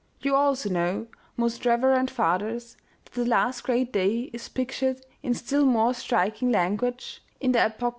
" You also know, most reverend fathers, that the last great day is pictured in still more striking language in the St. Matthew, xxiv.